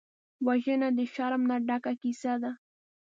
وژنه د شرم نه ډکه کیسه ده